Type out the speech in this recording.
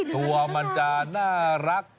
ตัวมันจะน่ารัก